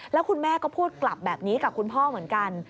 แล้วคุณแม่ก็พูดกลับแบบนี้กับคุณพ่อเหมือนกัน